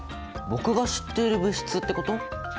僕が知っている物質ってこと？